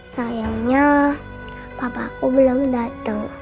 sayangnya papa aku belum dateng